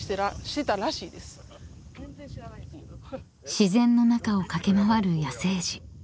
［自然の中を駆け回る野生児］